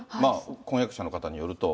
婚約者の方によると。